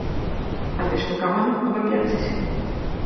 Але на каго ж нам абаперціся?